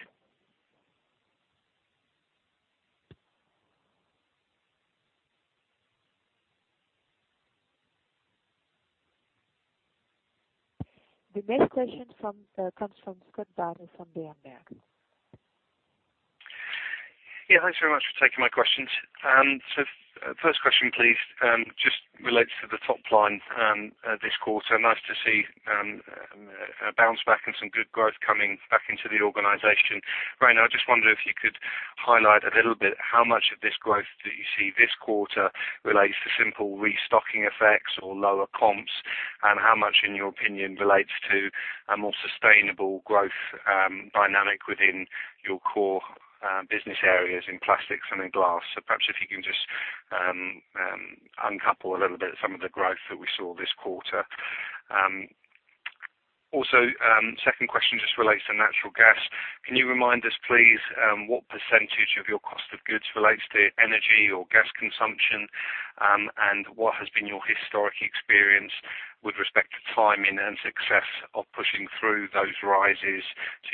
The next question comes from Scott Bardo from Bernstein. Yeah, thanks very much for taking my questions. First question, please, just relates to the top line this quarter. Nice to see a bounce back and some good growth coming back into the organization. Rainer, I just wondered if you could highlight a little bit how much of this growth that you see this quarter relates to simple restocking effects or lower comps, and how much, in your opinion, relates to a more sustainable growth dynamic within your core business areas in plastics and in glass. Perhaps if you can just uncouple a little bit some of the growth that we saw this quarter. Also, second question just relates to natural gas. Can you remind us, please, what percentage of your cost of goods relates to energy or gas consumption? What has been your historic experience with respect to timing and success of pushing through those rises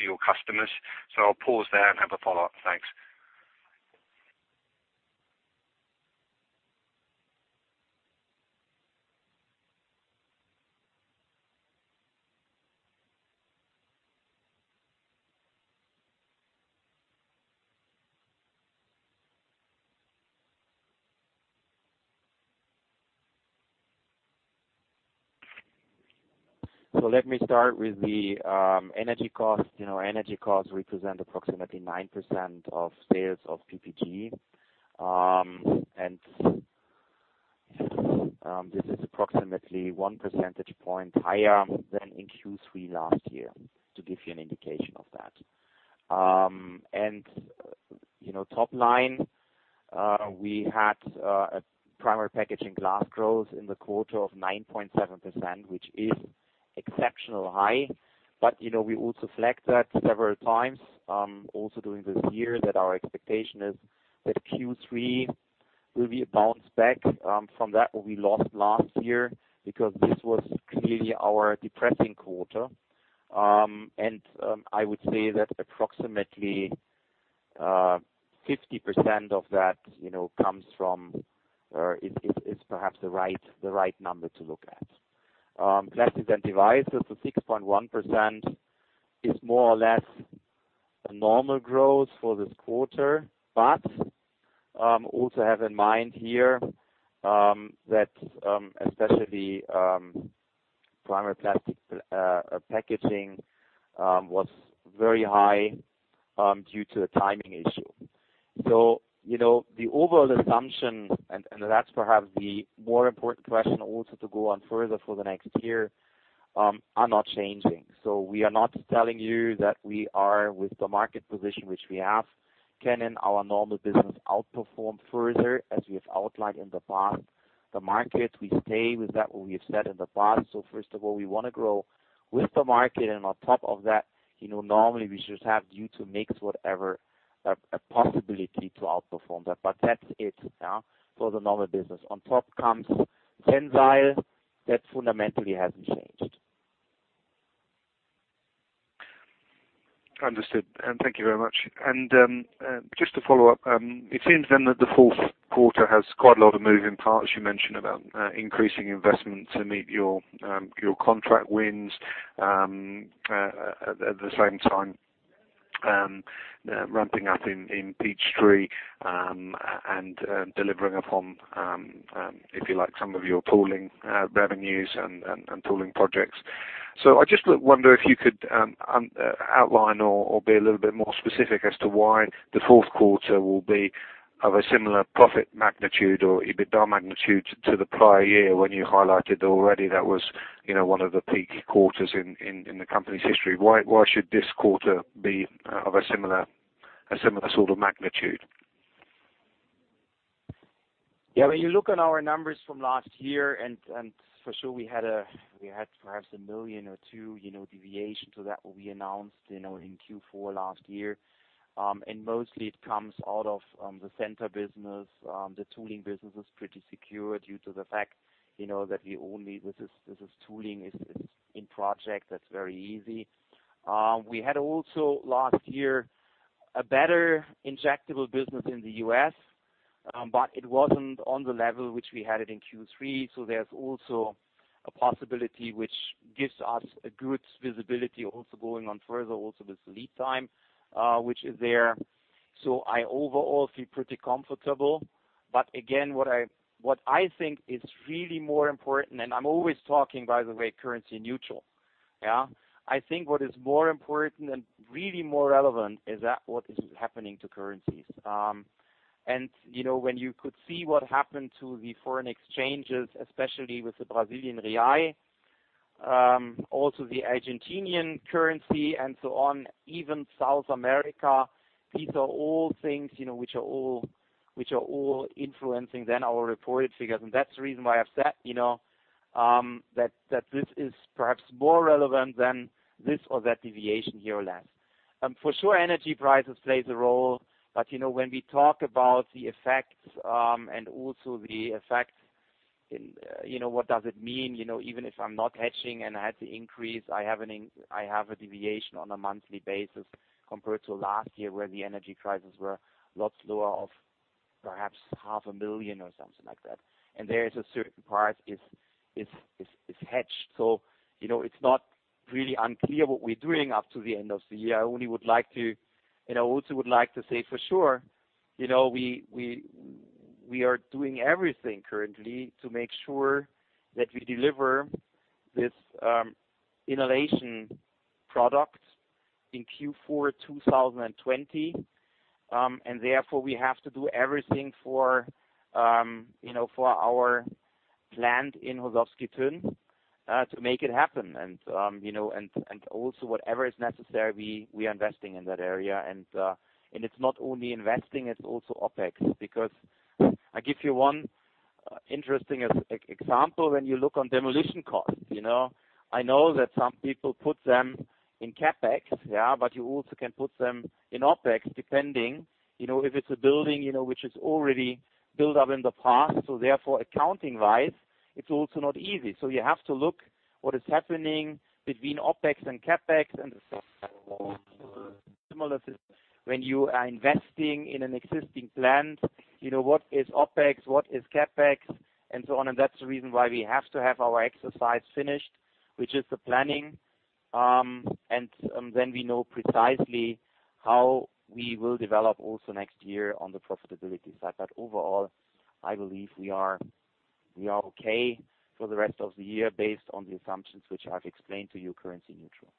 to your customers? I'll pause there and have a follow-up. Thanks. Let me start with the energy cost. Energy costs represent approximately 9% of sales of PPG. This is approximately 1 percentage point higher than in Q3 last year, to give you an indication of that. Top line, we had a Primary Packaging Glass growth in the quarter of 9.7%, which is exceptional high. We also flagged that several times, also during this year that our expectation is that Q3 will be a bounce back from that what we lost last year, because this was clearly our depressing quarter. I would say that approximately 50% of that is perhaps the right number to look at. Plastics & Devices to 6.1% is more or less a normal growth for this quarter. Also have in mind here that especially primary plastic packaging was very high due to a timing issue. The overall assumption, and that's perhaps the more important question also to go on further for the next year, are not changing. We are not telling you that we are with the market position which we have, can in our normal business outperform further as we have outlined in the past. The market, we stay with that what we have said in the past. First of all, we want to grow with the market and on top of that, normally we should have due to mix whatever, a possibility to outperform that. That's it for the normal business. On top comes Sensile Medical. That fundamentally hasn't changed. Understood. Thank you very much. Just to follow up, it seems then that the fourth quarter has quite a lot of moving parts. You mentioned about increasing investment to meet your contract wins. At the same time, ramping up in Peachtree City, and delivering upon, if you like, some of your pooling revenues and pooling projects. I just wonder if you could outline or be a little bit more specific as to why the fourth quarter will be of a similar profit magnitude or EBITDA magnitude to the prior year, when you highlighted already that was one of the peak quarters in the company's history. Why should this quarter be of a similar sort of magnitude? When you look at our numbers from last year, for sure we had perhaps a million or two deviation to that what we announced in Q4 last year, mostly it comes out of the Centor business. The tooling business is pretty secure due to the fact that this is tooling, it's in project that's very easy. We had also last year a better injectable business in the U.S., it wasn't on the level which we had it in Q3, there's also a possibility which gives us a good visibility also going on further also with lead time, which is there. I overall feel pretty comfortable. What I think is really more important, I'm always talking, by the way, currency neutral. I think what is more important and really more relevant is that what is happening to currencies. When you could see what happened to the foreign exchanges, especially with the Brazilian real, also the Argentinian currency and so on, even South America, these are all things which are influencing our reported figures. That's the reason why I've said that this is perhaps more relevant than this or that deviation here or less. For sure, energy prices play a role. When we talk about the effects and also the effects in what does it mean, even if I'm not hedging and I had to increase, I have a deviation on a monthly basis compared to last year where the energy prices were lots lower of perhaps half a million or something like that. There is a certain part is hedged. It's not really unclear what we're doing up to the end of the year. I also would like to say for sure, we are doing everything currently to make sure that we deliver this inhalation product in Q4 2020. Therefore we have to do everything for our plant in Horšovský Týn, to make it happen. Also whatever is necessary, we are investing in that area. It's not only investing, it's also OpEx, because I give you one interesting example when you look on demolition costs. I know that some people put them in CapEx. You also can put them in OpEx depending, if it's a building which is already built up in the past, therefore accounting-wise, it's also not easy. You have to look what is happening between OpEx and CapEx and similar to when you are investing in an existing plant, what is OpEx, what is CapEx, and so on. That's the reason why we have to have our exercise finished, which is the planning. Then we know precisely how we will develop also next year on the profitability side. Overall, I believe we are okay for the rest of the year based on the assumptions which I've explained to you currency neutral.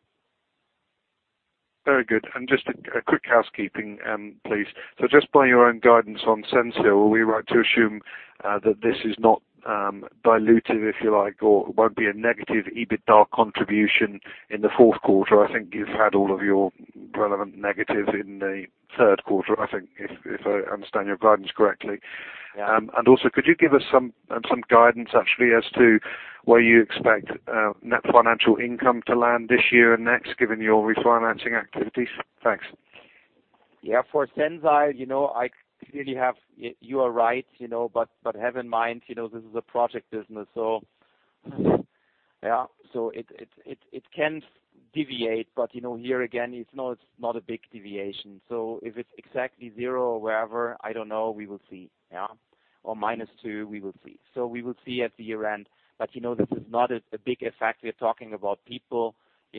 Very good. Just a quick housekeeping, please. Just by your own guidance on Sensile, are we right to assume that this is not dilutive, if you like, or won't be a negative EBITDA contribution in the fourth quarter? I think you've had all of your relevant negative in the third quarter, if I understand your guidance correctly. Yeah. Also, could you give us some guidance actually as to where you expect net financial income to land this year and next given your refinancing activities? Thanks. For Sensile, you are right, but have in mind, this is a project business. It can deviate, but here again, it's not a big deviation. If it's exactly zero or wherever, I don't know. We will see. Or minus two, we will see. We will see at the year-end. This is not a big effect. We are talking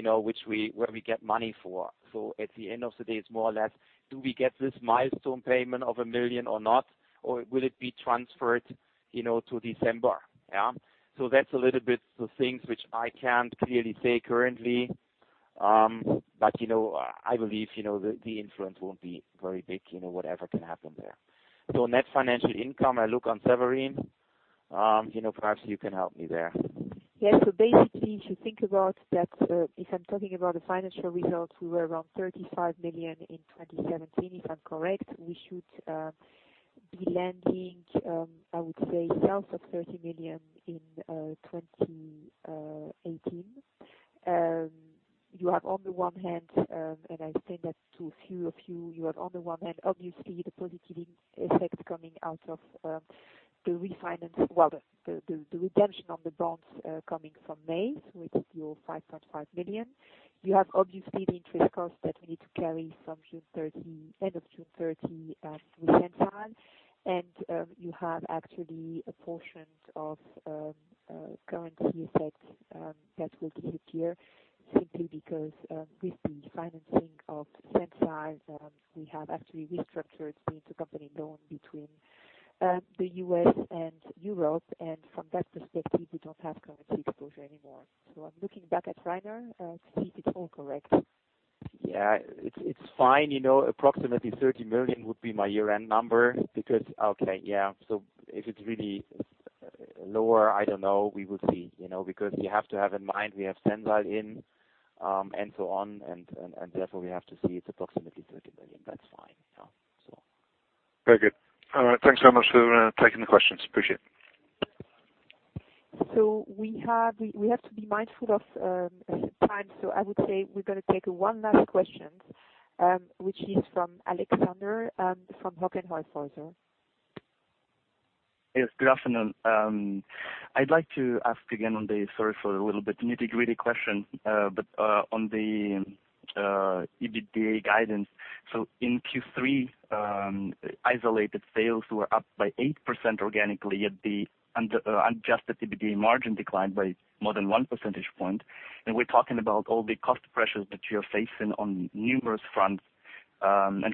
about people where we get money for. At the end of the day, it's more or less, do we get this milestone payment of 1 million or not, or will it be transferred to December? That's a little bit the things which I can't clearly say currently. I believe, the influence won't be very big, whatever can happen there. Net financial income, I look on Severine. Perhaps you can help me there. Yes. Basically, if you think about that, if I'm talking about the financial results, we were around 35 million in 2017, if I'm correct. We should be landing, I would say south of 30 million in 2018. You have on the one hand, and I explained that to a few of you have on the one hand, obviously the positive effect coming out of the refinance, well, the redemption on the bonds coming from May. It's your 5.5 million. You have obviously the interest cost that we need to carry from end of June 30 with Sensile. You have actually a portion of currency effect that will be this year. Simply because with the financing of Sensile, we have actually restructured the intercompany loan between the U.S. and Europe, from that perspective, we don't have currency exposure anymore. I'm looking back at Rainer to see if it's all correct. Yeah, it's fine. Approximately 30 million would be my year-end number. Okay. Yeah. If it's really lower, I don't know. We will see. You have to have in mind, we have Sensile in, and so on, and therefore we have to see it's approximately 30 million. That's fine. Yeah. Very good. All right. Thanks so much for taking the questions. Appreciate it. We have to be mindful of time. I would say we're going to take one last question, which is from Alexander from Hauck & Aufhäuser. Yes, good afternoon. I'd like to ask again on the, sorry for a little bit nitty-gritty question, but on the EBITDA guidance. In Q3, isolated sales were up by 8% organically at the adjusted EBITDA margin declined by more than one percentage point, and we're talking about all the cost pressures that you're facing on numerous fronts.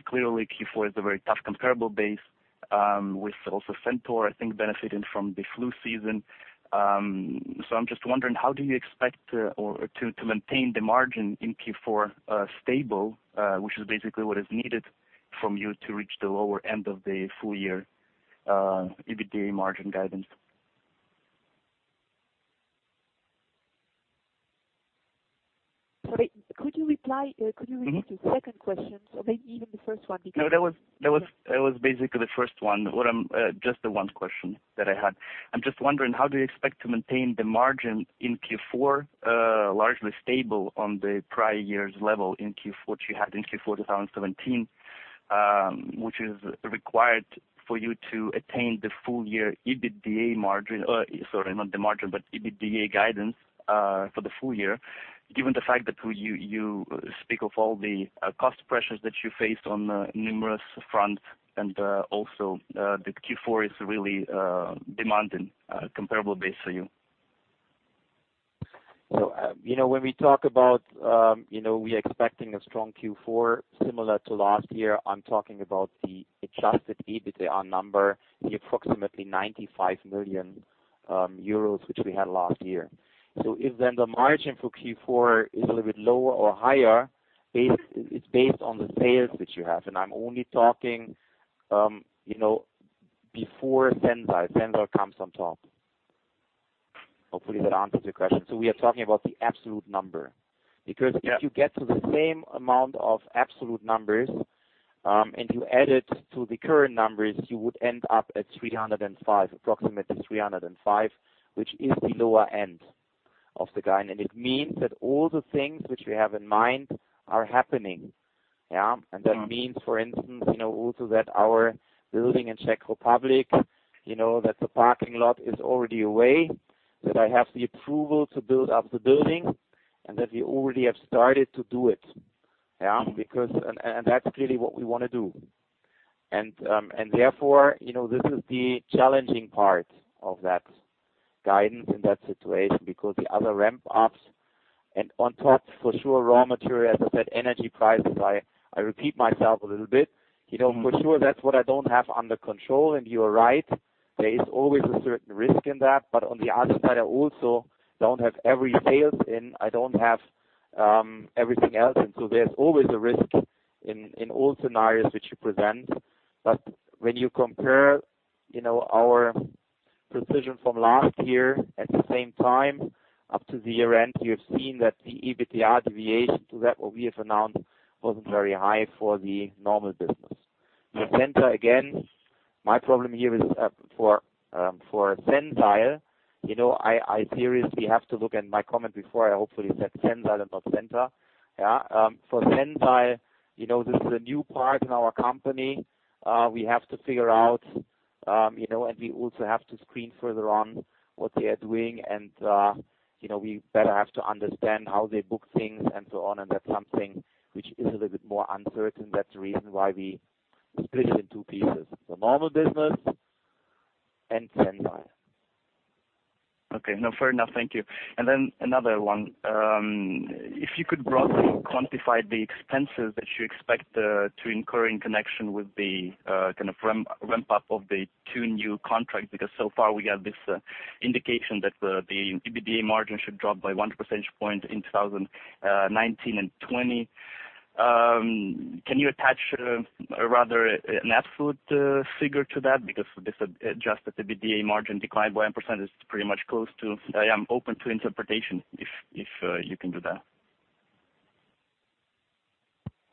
Clearly, Q4 is a very tough comparable base, with also Centor, I think, benefiting from the flu season. I'm just wondering, how do you expect to maintain the margin in Q4 stable, which is basically what is needed from you to reach the lower end of the full year EBITDA margin guidance? Sorry, could you reply to the second question, or maybe even the first one, because- That was basically the first one. Just the one question that I had. I'm just wondering, how do you expect to maintain the margin in Q4, largely stable on the prior year's level in Q4, what you had in Q4 2017, which is required for you to attain the full year EBITDA margin, sorry, not the margin, but EBITDA guidance for the full year, given the fact that you speak of all the cost pressures that you face on numerous fronts and also that Q4 is really demanding comparable base for you. When we talk about we are expecting a strong Q4 similar to last year, I'm talking about the adjusted EBITDA number, the approximately €95 million which we had last year. If then the margin for Q4 is a little bit lower or higher, it's based on the sales that you have. And I'm only talking before Sensile. Sensile comes on top. Hopefully, that answers your question. We are talking about the absolute number. Yeah. If you get to the same amount of absolute numbers, and you add it to the current numbers, you would end up at approximately 305, which is the lower end of the guide. It means that all the things which we have in mind are happening. Yeah? That means, for instance, also that our building in Czech Republic, that the parking lot is already away, that I have the approval to build up the building, and that we already have started to do it. Yeah. That's really what we want to do. Therefore, this is the challenging part of that guidance in that situation because the other ramp-ups and on top, for sure, raw material, as I said, energy prices, I repeat myself a little bit. For sure, that's what I don't have under control, and you are right. There is always a certain risk in that. On the other side, I also don't have every sales in, I don't have everything else. So there's always a risk in all scenarios which you present. When you compare our precision from last year at the same time up to the year-end, you have seen that the EBITDA deviation to that what we have announced wasn't very high for the normal business. For Sensile, again, my problem here is for Sensile, I seriously have to look at my comment before I hopefully said Sensile and not Sensile. Yeah. For Sensile, this is a new part in our company. We have to figure out, and we also have to screen further on what they are doing, and we better have to understand how they book things and so on. That's something which is a little bit more uncertain. That's the reason why we split it in two pieces, the normal business and Sensile. Okay. No, fair enough. Thank you. Then another one. If you could broadly quantify the expenses that you expect to incur in connection with the ramp-up of the two new contracts, because so far we have this indication that the EBITDA margin should drop by one percentage point in 2019 and 2020. Can you attach a rather an absolute figure to that? Because this adjusted EBITDA margin decline by 1% is pretty much close to. I am open to interpretation if you can do that.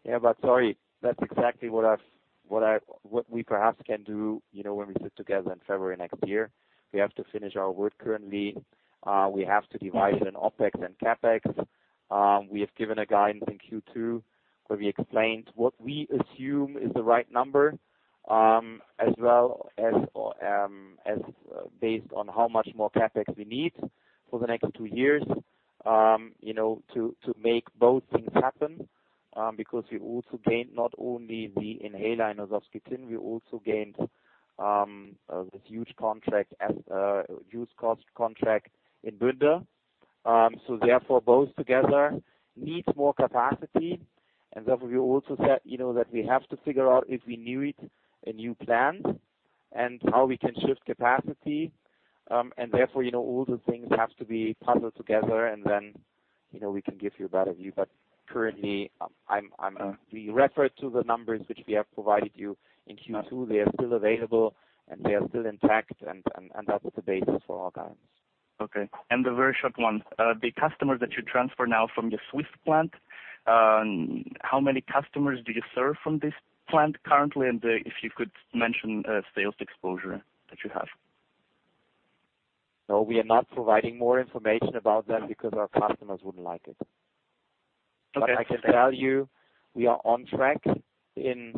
Yeah, sorry. That's exactly what we perhaps can do when we sit together in February next year. We have to finish our work currently. We have to divide an OpEx and CapEx. We have given a guidance in Q2, where we explained what we assume is the right number, as well as based on how much more CapEx we need for the next two years to make both things happen. Because we also gained not only the inhaler in Horšovský Týn, we also gained this huge contract in Bünde. Therefore both together need more capacity. Therefore we also said that we have to figure out if we need a new plant and how we can shift capacity. Therefore, all the things have to be puzzled together and then we can give you a better view. Currently, we refer to the numbers which we have provided you in Q2. They are still available, and they are still intact, and that is the basis for our guidance. A very short one. The customers that you transfer now from your Swiss plant, how many customers do you serve from this plant currently? And if you could mention sales exposure that you have. No, we are not providing more information about that because our customers wouldn't like it. Okay. I can tell you, we are on track in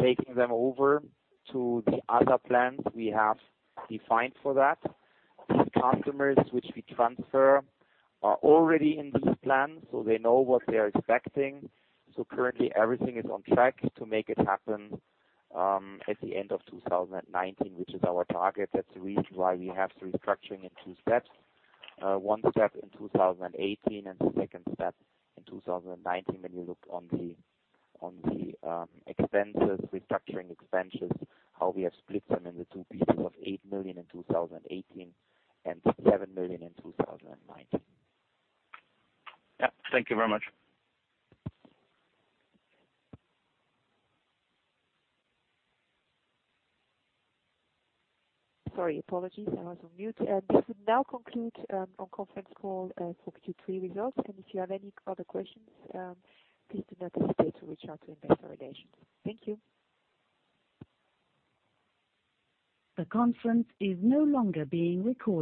taking them over to the other plants we have defined for that. These customers which we transfer are already in this plan, so they know what they're expecting. Currently everything is on track to make it happen, at the end of 2019, which is our target. That's the reason why we have restructuring in two steps. One step in 2018 and the second step in 2019, when you look on the restructuring expenses, how we have split them in the two pieces of eight million in 2018 and seven million in 2019. Yeah. Thank you very much. Sorry, apologies. I was on mute. This would now conclude our conference call for Q3 results, and if you have any further questions, please do not hesitate to reach out to investor relations. Thank you. The conference is no longer being recorded.